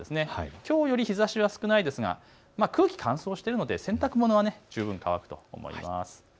きょうより日ざしは少ないですが空気が乾燥しているので洗濯物は十分乾くと思います。